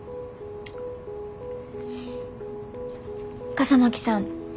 笠巻さん。